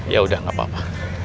yaudah nggak apa apa